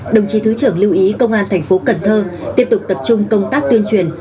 đồng chí thứ trưởng lưu ý công an tp cần thơ tiếp tục tập trung công tác tuyên truyền